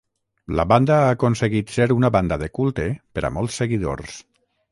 La banda ha aconseguit ser una banda de culte per a molts seguidors.